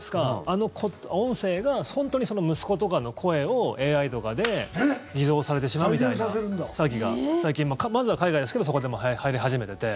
あの音声が本当に息子とかの声をＡＩとかで偽造されてしまうみたいな詐欺が最近まずは海外ですけどそこで、はやり始めてて。